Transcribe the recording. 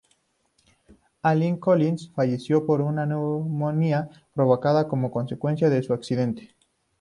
Allen Collins falleció por una neumonía provocada como consecuencia de su accidente.